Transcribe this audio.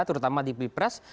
terutama di pilpres